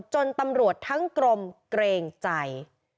จนตำรวจทั้งกรมเกรงใจ